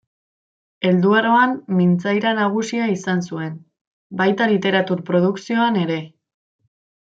Helduaroan mintzaira nagusia izan zuen, baita literatur produkzioan ere.